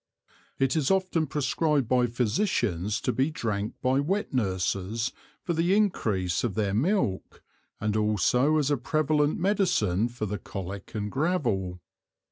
It is often prescribed by Physicians to be drank by wet Nurses for the encrease of their Milk, and also as a prevalent Medicine for the Colick and Gravel.